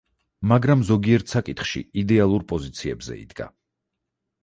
მაგრამ ზოგიერთ საკითხში იდეალურ პოზიციებზე იდგა.